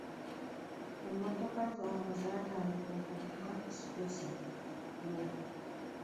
Emmotoka zaabwe zatandika okuvuga sipesulo.